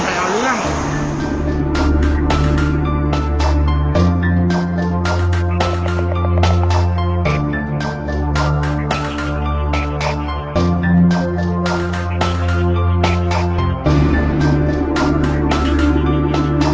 คุยด้วยว่ามาให้สีหนูและมาให้สีหนู